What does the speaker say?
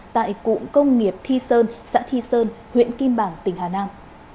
tại cụng công nghiệp thi sơn xã thi sơn huyện kim bảng tỉnh hà nam